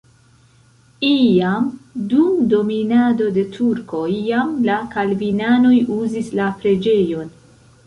Iam dum dominado de turkoj jam la kalvinanoj uzis la preĝejon.